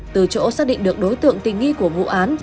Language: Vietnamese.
từ chỗ xác định được đối tượng tình nghi của vụ án